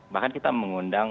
bahkan kita mengundang